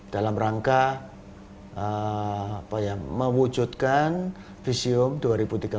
dalam rangka apa ya mewujudkan visium dua ribu tiga puluh atau ketahanan air di indonesia